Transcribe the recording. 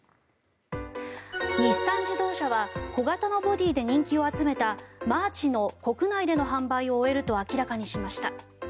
日産自動車は小型のボディーで人気を集めたマーチの国内での販売を終えると明らかにしました。